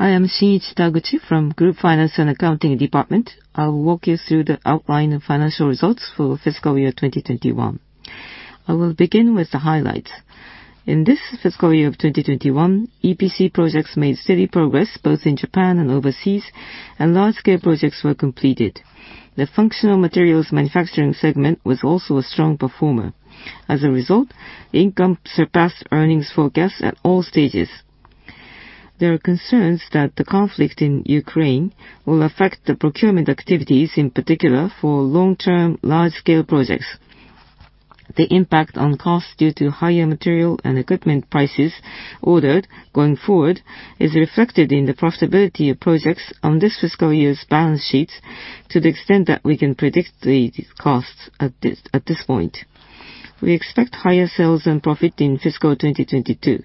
I am Shinichi Taguchi from Group Finance and Accounting Department. I will walk you through the outline of financial results for fiscal year 2021. I will begin with the highlights. In this fiscal year of 2021, EPC projects made steady progress both in Japan and overseas, and large-scale projects were completed. The functional materials manufacturing segment was also a strong performer. As a result, the income surpassed earnings forecasts at all stages. There are concerns that the conflict in Ukraine will affect the procurement activities, in particular for long-term, large-scale projects. The impact on costs due to higher material and equipment prices ordered going forward is reflected in the profitability of projects on this fiscal year's balance sheets to the extent that we can predict the costs at this point. We expect higher sales and profit in fiscal 2022. We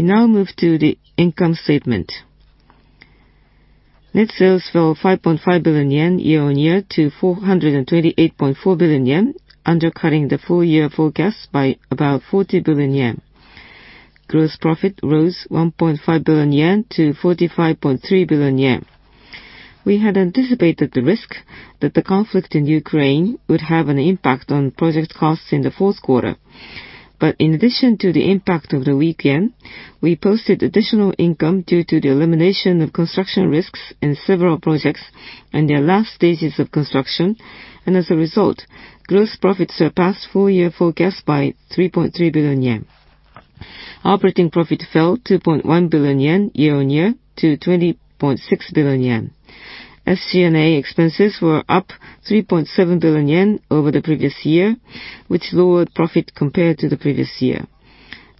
now move to the income statement. Net sales fell 5.5 billion yen year-over-year to 428.4 billion yen, undercutting the full-year forecast by about 40 billion yen. Gross profit rose 1.5 billion yen to 45.3 billion yen. We had anticipated the risk that the conflict in Ukraine would have an impact on project costs in the Q4. In addition to the impact of the weak yen, we posted additional income due to the elimination of construction risks in several projects in their last stages of construction. As a result, gross profit surpassed full-year forecast by 3.3 billion yen. Operating profit fell 2.1 billion yen year-over-year to 20.6 billion yen. SG&A expenses were up 3.7 billion yen over the previous year, which lowered profit compared to the previous year.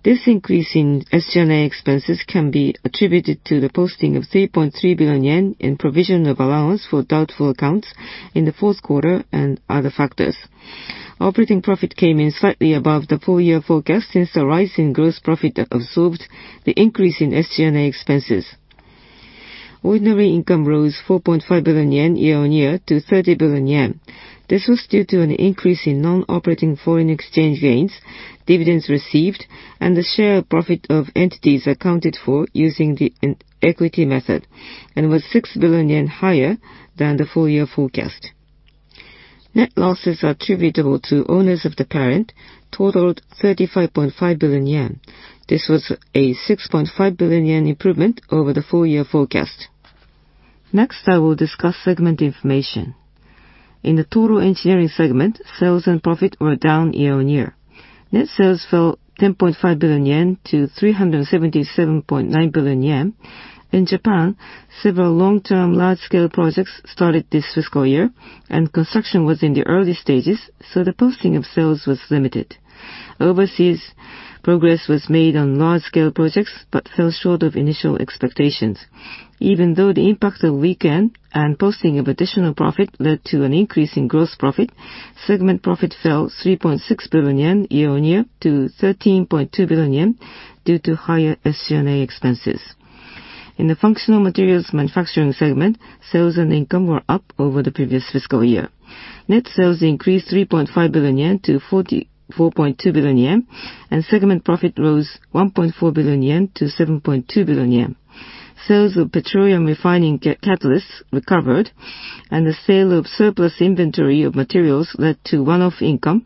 This increase in SG&A expenses can be attributed to the posting of 3.3 billion yen in provision of allowance for doubtful accounts in the Q4 and other factors. Operating profit came in slightly above the full year forecast since the rise in gross profit absorbed the increase in SG&A expenses. Ordinary income rose 4.5 billion yen year-on-year to 30 billion yen. This was due to an increase in non-operating foreign exchange gains, dividends received, and the share of profit of entities accounted for using the equity method, and was 6 billion yen higher than the full year forecast. Net losses attributable to owners of the parent totalled 35.5 billion yen. This was a 6.5 billion yen improvement over the full year forecast. Next, I will discuss segment information. In the total engineering segment, sales and profit were down year-on-year. Net sales fell 10.5 billion yen to 377.9 billion yen. In Japan, several long-term, large-scale projects started this fiscal year, and construction was in the early stages, so the posting of sales was limited. Overseas, progress was made on large-scale projects, but fell short of initial expectations. Even though the impact of weak yen and posting of additional profit led to an increase in gross profit, segment profit fell 3.6 billion yen year-on-year to 13.2 billion yen due to higher SG&A expenses. In the functional materials manufacturing segment, sales and income were up over the previous fiscal year. Net sales increased 3.5 billion yen to 44.2 billion yen, and segment profit rose 1.4 billion-7.2 billion yen. Sales of petroleum refining catalysts recovered, and the sale of surplus inventory of materials led to one-off income.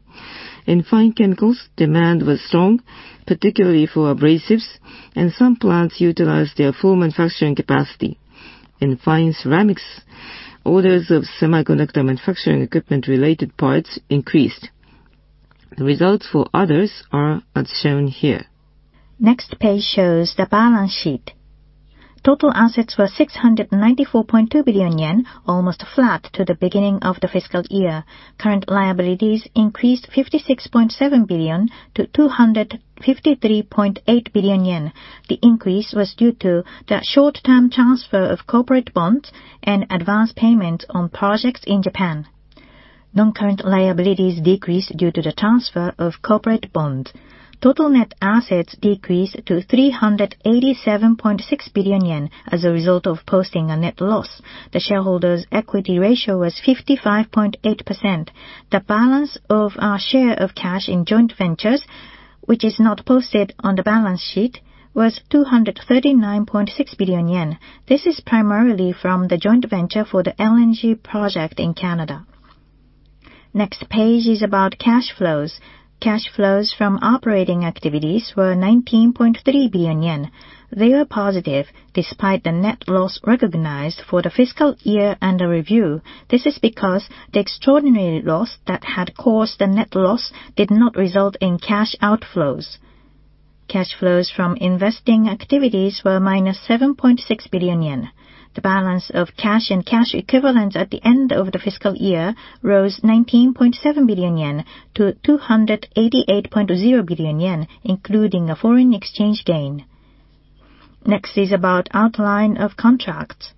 In fine chemicals, demand was strong, particularly for abrasives, and some plants utilized their full manufacturing capacity. In fine ceramics, orders of semiconductor manufacturing equipment-related parts increased. The results for others are as shown here. Next page shows the balance sheet. Total assets were 694.2 billion yen, almost flat to the beginning of the fiscal year. Current liabilities increased 56.7 billion to 253.8 billion yen. The increase was due to the short-term transfer of corporate bonds and advance payments on projects in Japan. Non-current liabilities decreased due to the transfer of corporate bonds. Total net assets decreased to 387.6 billion yen as a result of posting a net loss. The shareholders' equity ratio was 55.8%. The balance of our share of cash in joint ventures, which is not posted on the balance sheet, was 239.6 billion yen. This is primarily from the joint venture for the LNG project in Canada. Next page is about cash flows. Cash flows from operating activities were 19.3 billion yen. They were positive despite the net loss recognized for the fiscal year under review. This is because the extraordinary loss that had caused the net loss did not result in cash outflows. Cash flows from investing activities were -7.6 billion yen. The balance of cash and cash equivalents at the end of the fiscal year rose 19.7 billion-288.0 billion yen, including a foreign exchange gain. Next is about outline of contracts.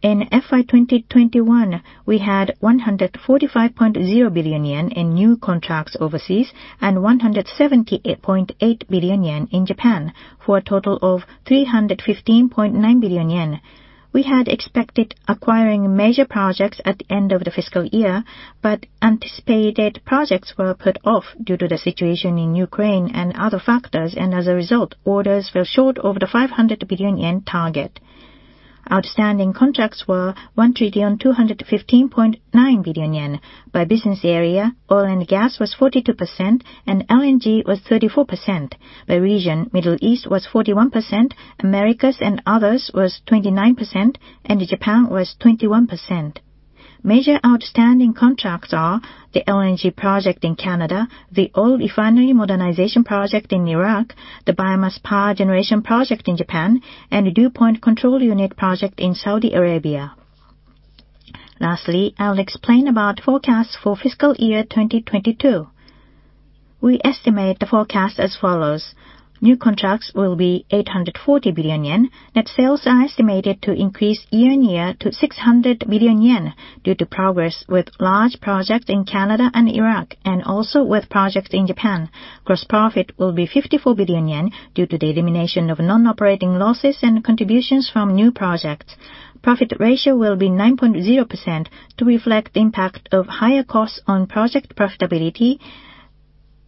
In FY 2021, we had 145.0 billion yen in new contracts overseas and 178.8 billion yen in Japan, for a total of 315.9 billion yen. We had expected acquiring major projects at the end of the fiscal year, but anticipated projects were put off due to the situation in Ukraine and other factors, and as a result, orders fell short of the 500 billion yen target. Outstanding contracts were 1,215.9 billion yen. By business area, oil and gas was 42% and LNG was 34%. By region, Middle East was 41%, Americas and others was 29%, and Japan was 21%. Major outstanding contracts are the LNG project in Canada, the oil refinery modernization project in Iraq, the biomass power generation project in Japan, and the Dew Point Control Unit project in Saudi Arabia. Lastly, I'll explain about forecasts for fiscal year 2022. We estimate the forecast as follows. New contracts will be 840 billion yen. Net sales are estimated to increase year-on-year to 600 billion yen due to progress with large projects in Canada and Iraq and also with projects in Japan. Gross profit will be 54 billion yen due to the elimination of non-operating losses and contributions from new projects. Profit ratio will be 9.0% to reflect the impact of higher costs on project profitability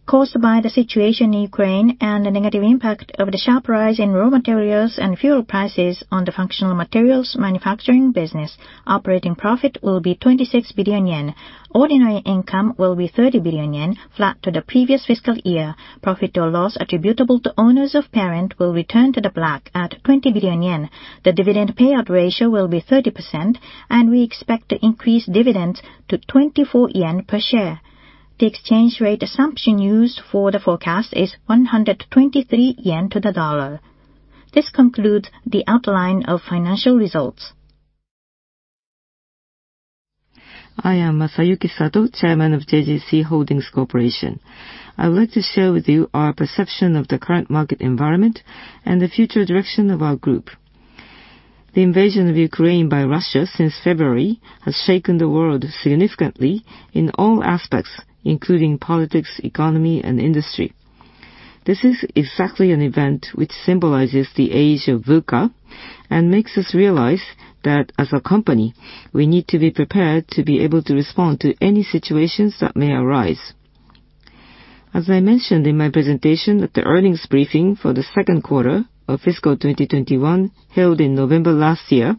caused by the situation in Ukraine and the negative impact of the sharp rise in raw materials and fuel prices on the functional materials manufacturing business. Operating profit will be 26 billion yen. Ordinary income will be 30 billion yen, flat to the previous fiscal year. Profit or loss attributable to owners of parent will return to the black at 20 billion yen. The dividend pay-out ratio will be 30%, and we expect to increase dividends to 24 yen per share. The exchange rate assumption used for the forecast is 123 yen to the dollar. This concludes the outline of financial results. I am Masayuki Sato, Chairman of JGC Holdings Corporation. I would like to share with you our perception of the current market environment and the future direction of our group. The invasion of Ukraine by Russia since February has shaken the world significantly in all aspects, including politics, economy, and industry. This is exactly an event which symbolizes the age of VUCA and makes us realize that as a company, we need to be prepared to be able to respond to any situations that may arise. As I mentioned in my presentation at the earnings briefing for the Q2 of fiscal 2021, held in November last year,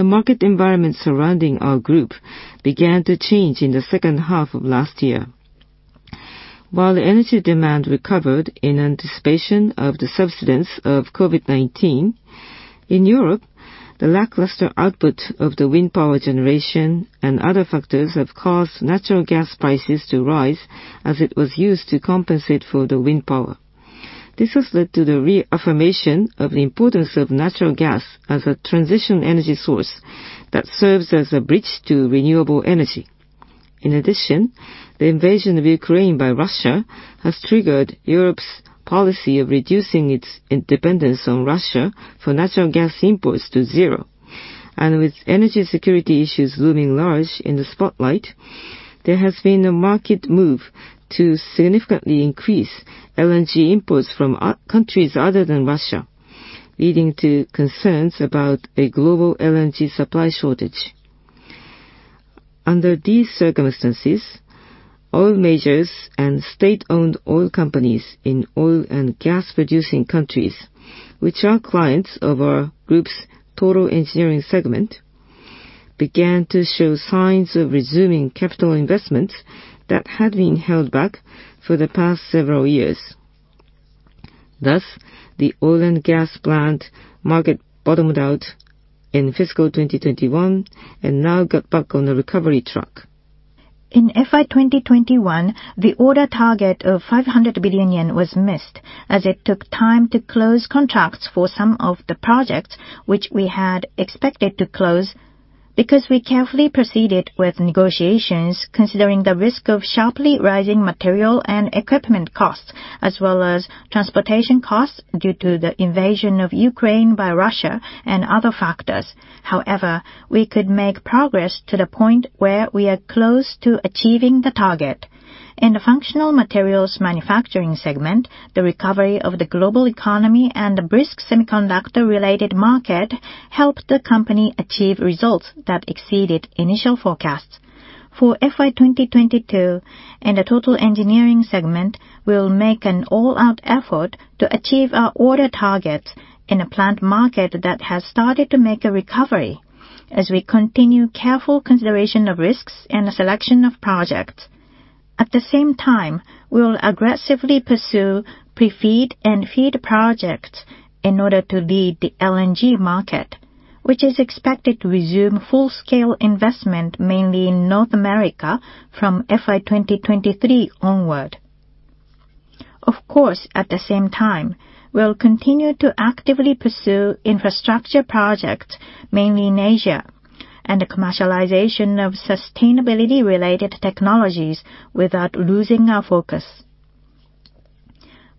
the market environment surrounding our group began to change in the H2 of last year. While the energy demand recovered in anticipation of the subsidence of COVID-19, in Europe, the lackluster output of the wind power generation and other factors have caused natural gas prices to rise as it was used to compensate for the wind power. This has led to the reaffirmation of the importance of natural gas as a transition energy source that serves as a bridge to renewable energy. In addition, the invasion of Ukraine by Russia has triggered Europe's policy of reducing its dependence on Russia for natural gas imports to zero. With energy security issues looming large in the spotlight, there has been a market move to significantly increase LNG imports from countries other than Russia, leading to concerns about a global LNG supply shortage. Under these circumstances, oil majors and state-owned oil companies in oil and gas-producing countries, which are clients of our group's total engineering segment, began to show signs of resuming capital investments that had been held back for the past several years. Thus, the oil and gas plant market bottomed out in fiscal 2021 and now got back on the recovery track. In FY 2021, the order target of 500 billion yen was missed as it took time to close contracts for some of the projects which we had expected to close because we carefully proceeded with negotiations considering the risk of sharply rising material and equipment costs as well as transportation costs due to the invasion of Ukraine by Russia and other factors. However, we could make progress to the point where we are close to achieving the target. In the functional materials manufacturing segment, the recovery of the global economy and the brisk semiconductor-related market helped the company achieve results that exceeded initial forecasts. For FY 2022, in the total engineering segment, we will make an all-out effort to achieve our order targets in a plant market that has started to make a recovery as we continue careful consideration of risks and the selection of projects. At the same time, we will aggressively pursue pre-FEED and FEED projects in order to lead the LNG market, which is expected to resume full-scale investment mainly in North America from FY 2023 onward. Of course, at the same time, we will continue to actively pursue infrastructure projects mainly in Asia and the commercialization of sustainability-related technologies without losing our focus.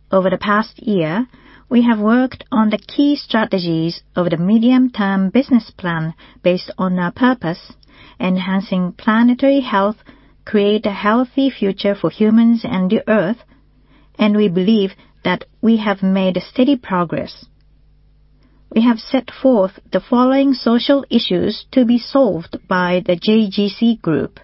Over the past year, we have worked on the key strategies of the medium-term business plan based on our purpose, enhancing planetary health, create a healthy future for humans and the Earth, and we believe that we have made steady progress. We have set forth the following social issues to be solved by the JGC Group.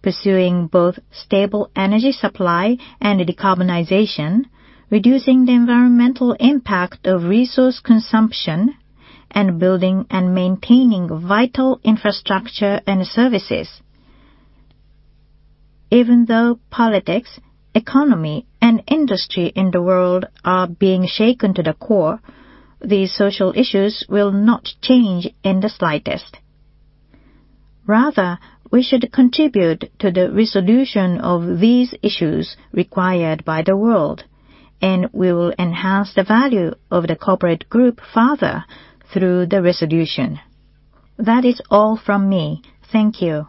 Pursuing both stable energy supply and decarbonization, reducing the environmental impact of resource consumption, and building and maintaining vital infrastructure and services. Even though politics, economy, and industry in the world are being shaken to the core, these social issues will not change in the slightest. Rather, we should contribute to the resolution of these issues required by the world, and we will enhance the value of the corporate group further through the resolution. That is all from me. Thank you.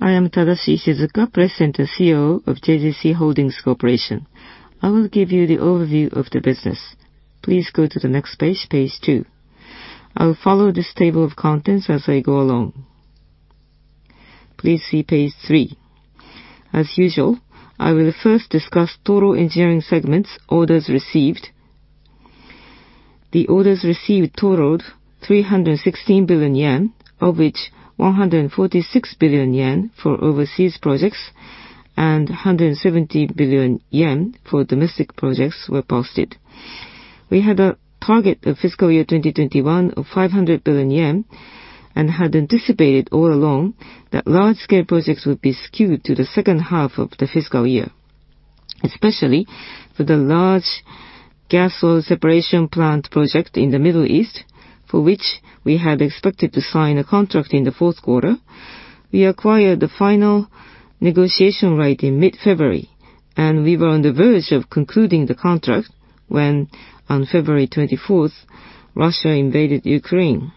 I am Tadashi Ishizuka, President and CEO of JGC Holdings Corporation. I will give you the overview of the business. Please go to the next page two. I'll follow this table of contents as I go along. Please see page three. As usual, I will first discuss total engineering segments orders received. The orders received totalled 316 billion yen, of which 146 billion yen for overseas projects and 170 billion yen for domestic projects were posted. We had a target of fiscal year 2021 of 500 billion yen and had anticipated all along that large-scale projects would be skewed to the H2 of the fiscal year. Especially for the large gas oil separation plant project in the Middle East, for which we had expected to sign a contract in the Q4. We acquired the final negotiation right in mid-February, and we were on the verge of concluding the contract when, on February 24th, Russia invaded Ukraine.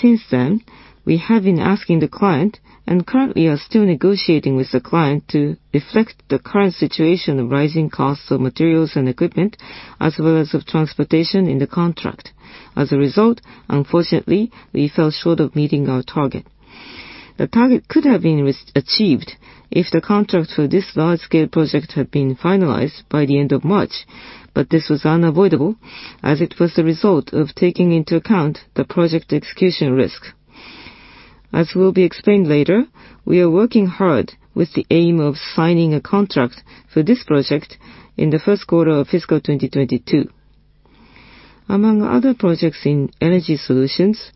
Since then, we have been asking the client, and currently are still negotiating with the client to reflect the current situation of rising costs of materials and equipment as well as of transportation in the contract. As a result, unfortunately, we fell short of meeting our target. The target could have been achieved if the contract for this large-scale project had been finalized by the end of March, but this was unavoidable as it was the result of taking into account the project execution risk. As will be explained later, we are working hard with the aim of signing a contract for this project in the Q1 of fiscal 2022. Among other projects in Energy Solutions,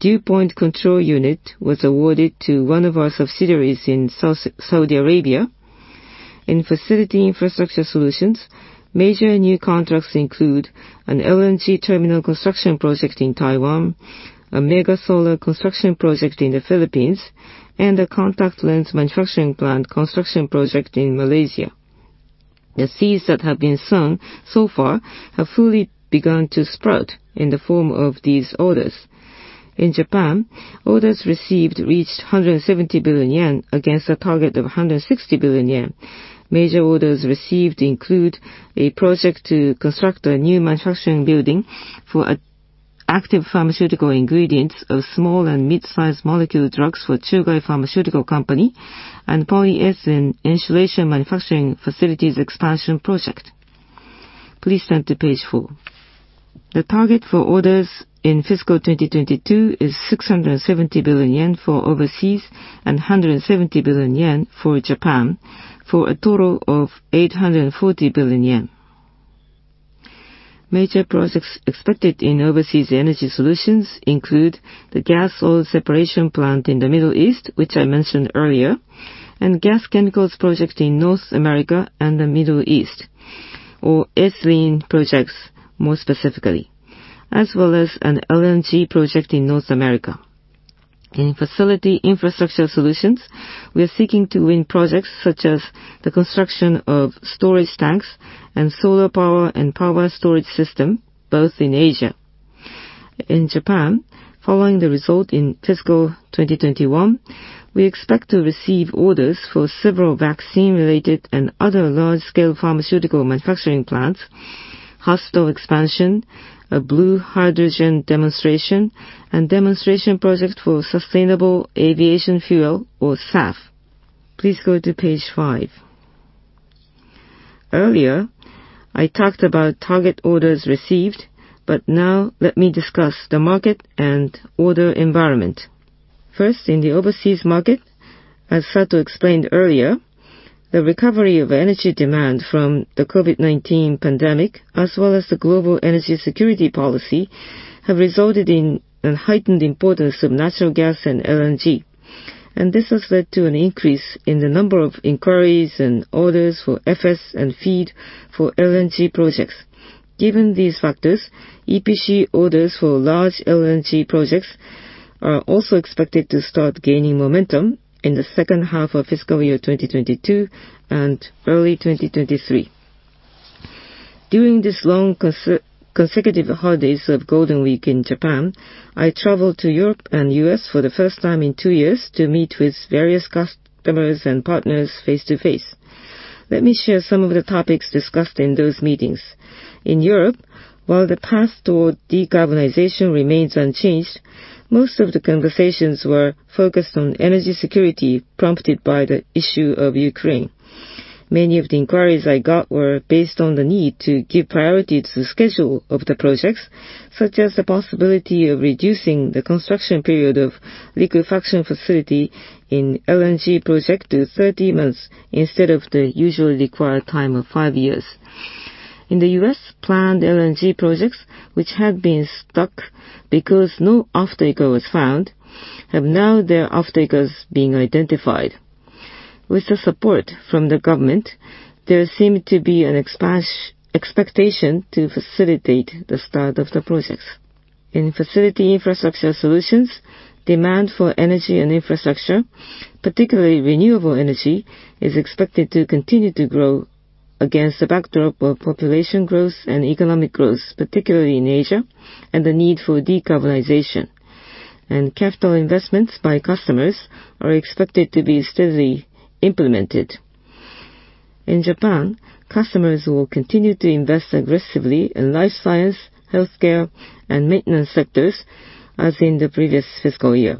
Dew Point Control Unit was awarded to one of our subsidiaries in South, Saudi Arabia. In Facility Infrastructure Solutions, major new contracts include an LNG terminal construction project in Taiwan, a mega solar construction project in the Philippines, and a contact lens manufacturing plant construction project in Malaysia. The seeds that have been sown so far have fully begun to sprout in the form of these orders. In Japan, orders received reached 170 billion yen against a target of 160 billion yen. Major orders received include a project to construct a new manufacturing building for active pharmaceutical ingredients of small and midsize molecule drugs for Chugai Pharmaceutical Co., Ltd. and polyethylene insulation manufacturing facilities expansion project. Please turn to page four. The target for orders in fiscal 2022 is 670 billion yen for overseas and 170 billion yen for Japan, for a total of 840 billion yen. Major projects expected in overseas Energy Solutions include the gas oil separation plant in the Middle East, which I mentioned earlier, and gas chemicals project in North America and the Middle East, or ethylene projects more specifically, as well as an LNG project in North America. In Facility Infrastructure Solutions, we are seeking to win projects such as the construction of storage tanks and solar power and power storage system, both in Asia. In Japan, following the result in fiscal 2021, we expect to receive orders for several vaccine-related and other large-scale pharmaceutical manufacturing plants, hospital expansion, a blue hydrogen demonstration, and demonstration project for Sustainable Aviation Fuel or SAF. Please go to page five. Earlier, I talked about target orders received, but now let me discuss the market and order environment. First, in the overseas market, as Sato explained earlier, the recovery of energy demand from the COVID-19 pandemic, as well as the global energy security policy, have resulted in a heightened importance of natural gas and LNG. This has led to an increase in the number of inquiries and orders for FS and FEED for LNG projects. Given these factors, EPC orders for large LNG projects are also expected to start gaining momentum in the H2 of fiscal year 2022 and early 2023. During this long consecutive holidays of Golden Week in Japan, I travelled to Europe and U.S. for the first time in two years to meet with various customers and partners face to face. Let me share some of the topics discussed in those meetings. In Europe, while the path toward decarbonization remains unchanged, most of the conversations were focused on energy security prompted by the issue of Ukraine. Many of the inquiries I got were based on the need to give priority to the schedule of the projects, such as the possibility of reducing the construction period of liquefaction facility in LNG project to 30 months instead of the usual required time of five years. In the U.S., planned LNG projects which had been stuck because no off taker was found have now their off takers being identified. With the support from the government, there seemed to be an expectation to facilitate the start of the projects. In Facility Infrastructure Solutions, demand for energy and infrastructure, particularly renewable energy, is expected to continue to grow against the backdrop of population growth and economic growth, particularly in Asia and the need for decarbonization. Capital investments by customers are expected to be steadily implemented. In Japan, customers will continue to invest aggressively in life science, healthcare, and maintenance sectors as in the previous fiscal year.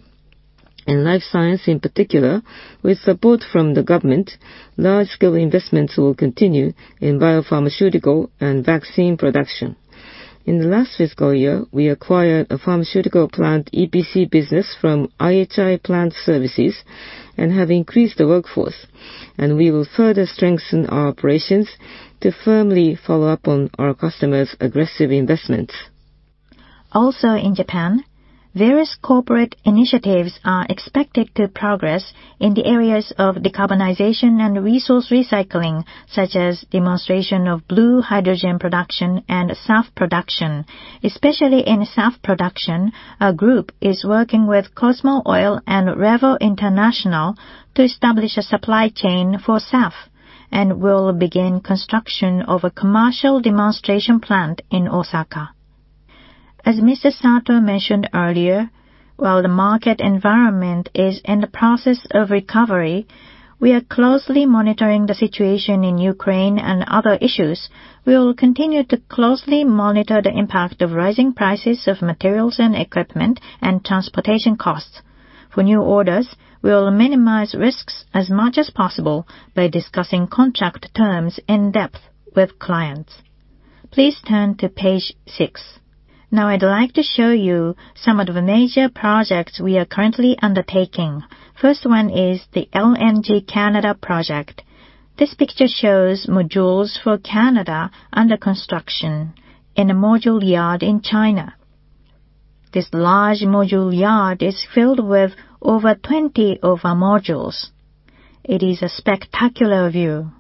In life science in particular, with support from the government, large-scale investments will continue in biopharmaceutical and vaccine production. In the last fiscal year, we acquired a pharmaceutical plant EPC business from IHI Plant Services and have increased the workforce, and we will further strengthen our operations to firmly follow up on our customers' aggressive investments. Also in Japan, various corporate initiatives are expected to progress in the areas of decarbonization and resource recycling, such as demonstration of blue hydrogen production and SAF production. Especially in SAF production, our group is working with Cosmo Oil and REVO International to establish a supply chain for SAF and will begin construction of a commercial demonstration plant in Osaka. As Mr. Sato mentioned earlier, while the market environment is in the process of recovery, we are closely monitoring the situation in Ukraine and other issues. We will continue to closely monitor the impact of rising prices of materials and equipment and transportation costs. For new orders, we will minimize risks as much as possible by discussing contract terms in depth with clients. Please turn to page six. Now, I'd like to show you some of the major projects we are currently undertaking. First one is the LNG Canada project. This picture shows modules for Canada under construction in a module yard in China. This large module yard is filled with over 20 of our modules. It is a spectacular view.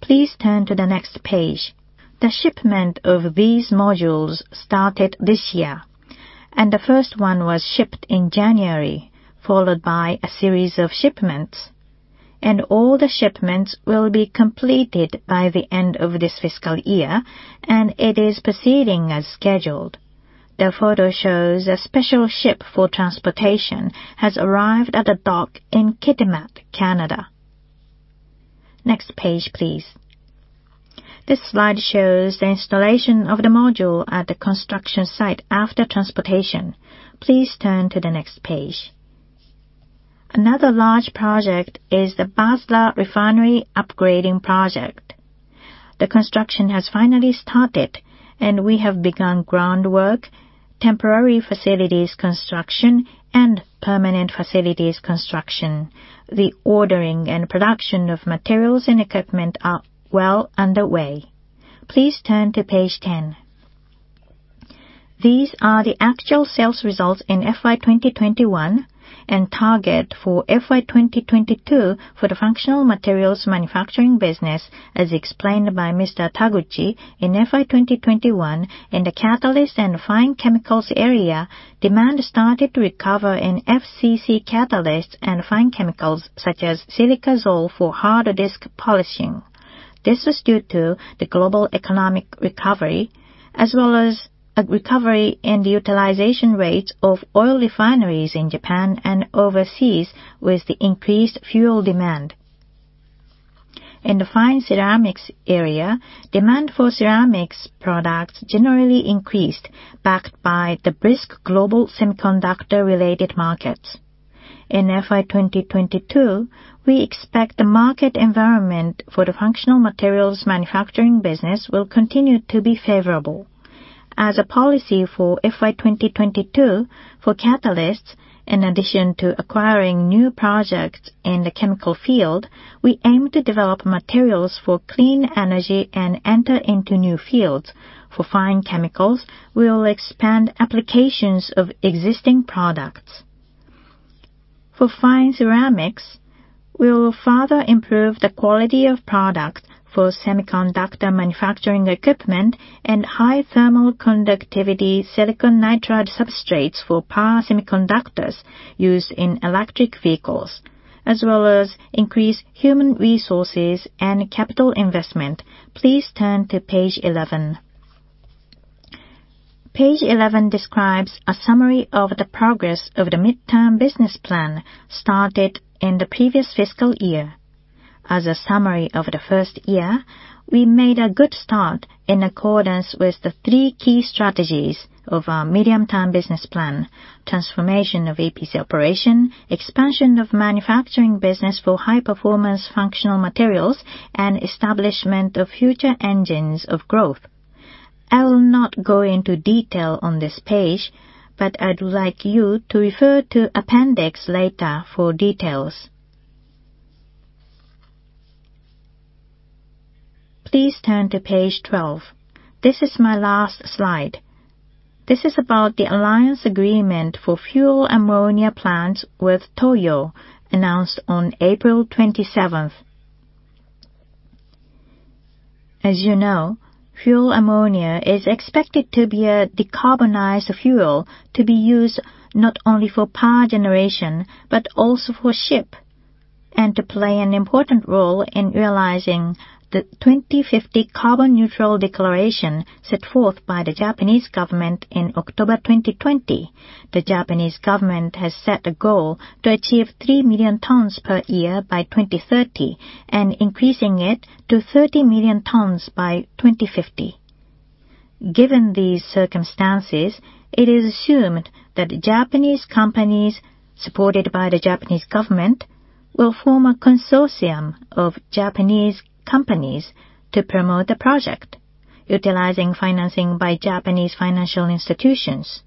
Please turn to the next page. The shipment of these modules started this year, and the first one was shipped in January, followed by a series of shipments. All the shipments will be completed by the end of this fiscal year, and it is proceeding as scheduled. The photo shows a special ship for transportation has arrived at a dock in Kitimat, Canada. Next page, please. This slide shows the installation of the module at the construction site after transportation. Please turn to the next page. Another large project is the Basrah Refinery Upgrading Project. The construction has finally started, and we have begun groundwork, temporary facilities construction, and permanent facilities construction. The ordering and production of materials and equipment are well underway. Please turn to page 10. These are the actual sales results in FY 2021 and target for FY 2022 for the functional materials manufacturing business, as explained by Mr. Taguchi. In FY 2021, in the catalyst and fine chemicals area, demand started to recover in FCC catalysts and fine chemicals such as silica gel for hard disk polishing. This was due to the global economic recovery as well as a recovery in the utilization rates of oil refineries in Japan and overseas with the increased fuel demand. In the fine ceramics area, demand for ceramics products generally increased, backed by the brisk global semiconductor-related markets. In FY 2022, we expect the market environment for the functional materials manufacturing business will continue to be favorable. As a policy for FY 2022, for catalysts, in addition to acquiring new projects in the chemical field, we aim to develop materials for clean energy and enter into new fields. For fine chemicals, we will expand applications of existing products. For fine ceramics, we will further improve the quality of products for semiconductor manufacturing equipment and high thermal conductivity silicon nitride substrates for power semiconductors used in electric vehicles, as well as increase human resources and capital investment. Please turn to page 11. Page 11 describes a summary of the progress of the midterm business plan started in the previous fiscal year. As a summary of the first year, we made a good start in accordance with the three key strategies of our medium-term business plan, transformation of EPC operation, expansion of manufacturing business for high-performance functional materials, and establishment of future engines of growth. I will not go into detail on this page, but I'd like you to refer to appendix later for details. Please turn to page 12. This is my last slide. This is about the alliance agreement for fuel ammonia plants with Toyo Engineering Corporation announced on April 27th. As you know, fuel ammonia is expected to be a decarbonized fuel to be used not only for power generation, but also for shipping, and to play an important role in realizing the 2050 carbon neutral declaration set forth by the Japanese government in October 2020. The Japanese government has set a goal to achieve 3 million tons per year by 2030 and increasing it to 30 million tons by 2050. Given these circumstances, it is assumed that Japanese companies, supported by the Japanese government, will form a consortium of Japanese companies to promote the project, utilizing financing by Japanese financial institutions.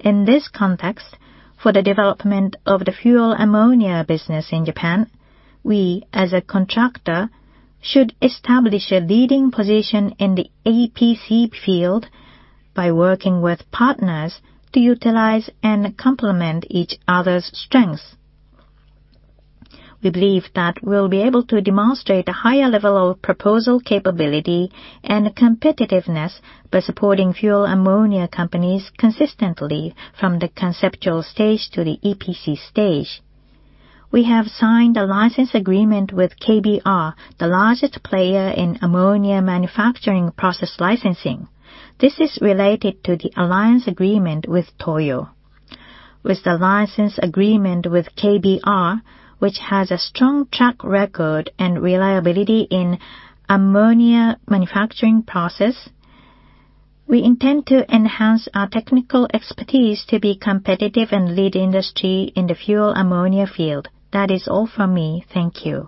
In this context, for the development of the fuel ammonia business in Japan, we, as a contractor, should establish a leading position in the EPC field by working with partners to utilize and complement each other's strengths. We believe that we'll be able to demonstrate a higher level of proposal capability and competitiveness by supporting fuel ammonia companies consistently from the conceptual stage to the EPC stage. We have signed a license agreement with KBR, the largest player in ammonia manufacturing process licensing. This is related to the alliance agreement with Toyo. With the license agreement with KBR, which has a strong track record and reliability in ammonia manufacturing process, we intend to enhance our technical expertise to be competitive and lead industry in the fuel ammonia field. That is all from me. Thank you.